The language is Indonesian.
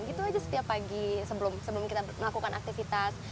gitu aja setiap pagi sebelum kita melakukan aktivitas